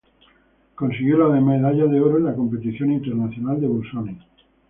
Consiguió la medalla de oro en la Competición Internacional de Busoni.